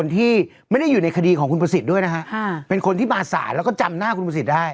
ที่ไม่ได้อยู่ในคดีของคุณประสิทธิ์ด้วยนะฮะเป็นคนที่มาสารแล้วก็จำหน้าคุณประสิทธิ์ได้